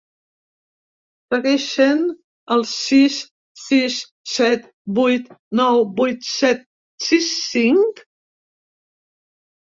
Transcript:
Segueix sent el sis sis set vuit nou vuit set sis cinc?